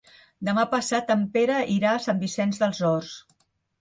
Demà passat en Pere irà a Sant Vicenç dels Horts.